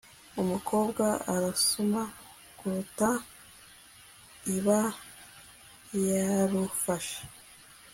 umukobwa arasuma kurufata, iba yarufashe